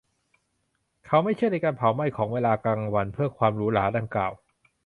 เขาไม่เชื่อในการเผาไหม้ของเวลากลางวันเพื่อความหรูหราดังกล่าว